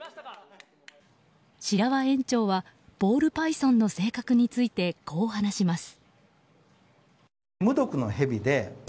白輪園長はボールパイソンの性格についてこう話します。